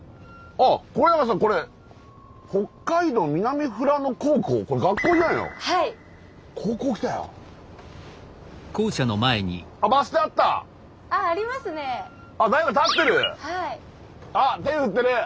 あっ手振ってる！